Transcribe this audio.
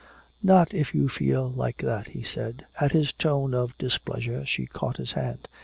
"Not if you feel like that," he said. At his tone of displeasure she caught his hand.